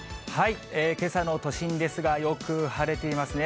けさの都心ですが、よく晴れていますね。